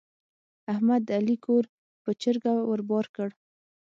احمد د علي کور پر چرګه ور بار کړ.